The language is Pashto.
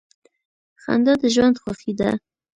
• خندا د ژوند خوښي ده.